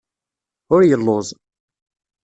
Ur yelluẓ.